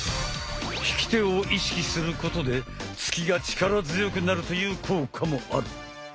引き手を意識することで突きが力強くなるという効果もある！